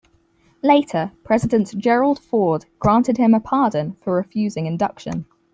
Later, President Gerald Ford granted him a pardon for refusing induction.